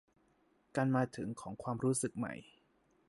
การมาถึงของความรู้สึกใหม่